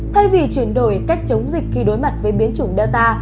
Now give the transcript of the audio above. thay vì chuyển đổi cách chống dịch khi đối mặt với biến chủng data